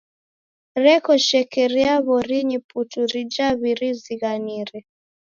Reko shekeria w'orinyi putu rija w'irizighanire.